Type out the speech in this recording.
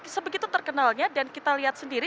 sebegitu terkenalnya dan kita lihat sendiri